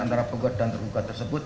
antara penggugat dan tergugat tersebut